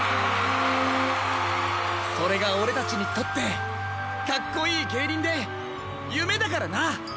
それがオレたちにとってかっこいいげいにんでゆめだからな！